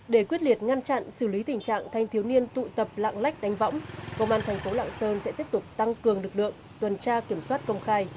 để quyết liệt ngăn chặn xử lý tình trạng thanh thiếu niên tụ tập lạng lách đánh võng công an thành phố lạng sơn sẽ tiếp tục tăng cường lực lượng tuần tra kiểm soát công khai